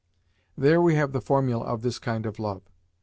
There we have the formula of this kind of love.